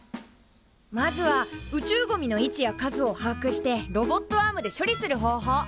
まずは宇宙ゴミの位置や数をはあくしてロボットアームで処理する方法。